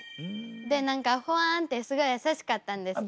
で何かほわんってすごい優しかったんですけど。